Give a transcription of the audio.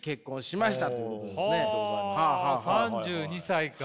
３２歳か。